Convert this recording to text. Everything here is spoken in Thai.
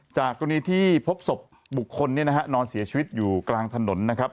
จากกรณีที่พบศพบุคคลเนี่ยนะฮะนอนเสียชีวิตอยู่กลางถนนนะครับ